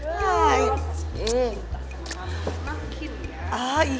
cinta sama ngasut makin ya